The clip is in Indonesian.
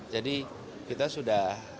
jadi kita sudah